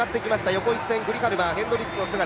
横一線、グリハルバ、ヘンドリクスの姿、